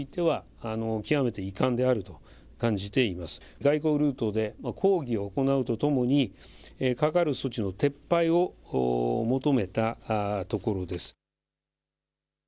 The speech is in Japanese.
外交ルートで抗議を行うとともに、かかる措置の撤廃を求めたところです。